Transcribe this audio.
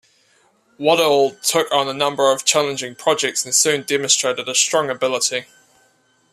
Waddell took on a number of challenging projects and soon demonstrated a strong ability.